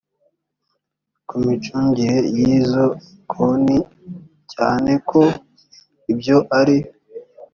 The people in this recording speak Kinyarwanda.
ku micungire y izo konti cyane ko ibyo ari